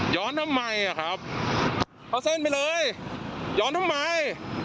ทำไมอ่ะครับเอาเส้นไปเลยย้อนทำไม